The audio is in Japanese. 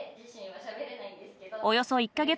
およそ１か月